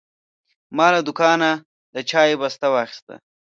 ما له دوکانه د چای بسته واخیسته.